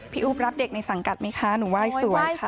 อุ๊บรับเด็กในสังกัดไหมคะหนูไหว้สวยค่ะ